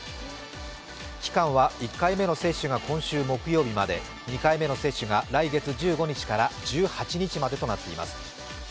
期間は１回目の接種が今週木曜日まで、２回目の接種が来月１５日から１８日までとなっています。